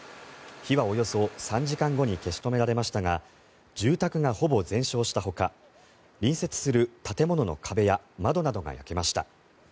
火はおよそ３時間後に消し止められましたが住宅がほぼ全焼したほか隣接する建物の壁や窓などが焼けました。